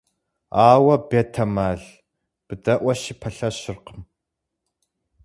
Ауэ, бетэмал, быдэӀуэщи, пэлъэщыркъым.